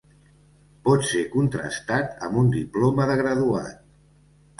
Pot ser contrastat amb un diploma de graduat.